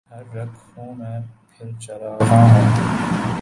ہر رگ خوں میں پھر چراغاں ہو